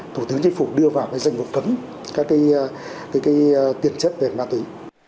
thủ tướng chính phủ đưa vào cái danh vụ cấm các cái tiền chất về ma túy